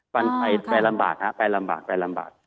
ไปลำบากครับไปลำบากไปลำบาก